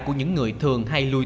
của những người thường hay lưu